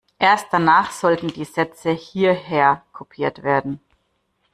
Erst danach sollten die Sätze hierher kopiert werden.